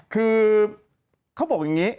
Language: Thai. คือเขาบอกอย่างนี้